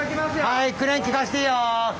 はいクレーンきかしていいよ。